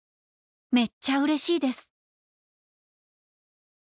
めっちゃ嬉しいです！」。